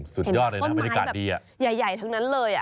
สุดยอดเลยนะบรรยากาศดีอ่ะข้อนไม้เยอะใหญ่ทั้งนั้นเลย